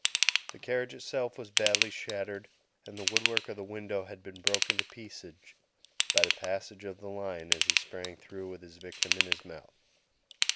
The carriage itself was badly shattered, and the wood work of the window had been broken to pieces by the passage of the lion as he sprang through with his victim in his mouth.